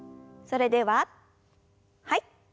それでははい。